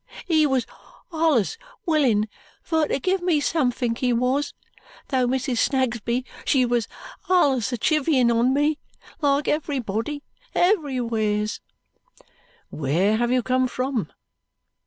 He wos allus willin fur to give me somethink he wos, though Mrs. Snagsby she was allus a chivying on me like everybody everywheres." "Where have you come from?"